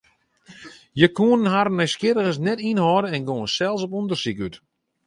Hja koene harren nijsgjirrigens net ynhâlde en gongen sels op ûndersyk út.